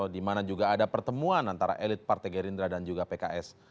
di mana juga ada pertemuan antara elit partai gerindra dan juga pks